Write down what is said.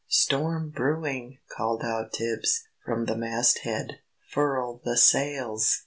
"Storm brewing!" called out Tibbs, from the masthead. "Furl the sails!"